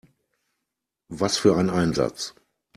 Was für ein Einsatz!